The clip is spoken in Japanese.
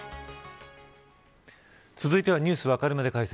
続いてはニュースわかるまで解説。